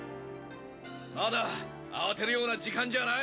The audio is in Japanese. まだ慌てるような時間じゃない。